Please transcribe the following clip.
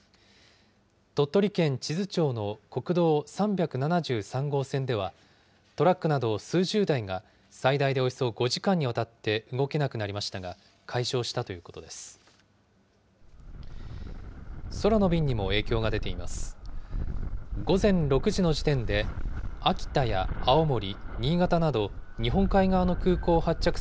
鳥取県智頭町の国道３７３号線では、トラックなど数十台が、最大でおよそ５時間にわたって動けなくなりましたが、解消したということです。